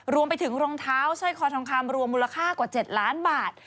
รวมไปถึงรองเท้าสร้อยคอทองคำรวมมูลค่ากว่า๗ล้านบาท